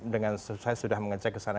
dengan saya sudah mengecek kesana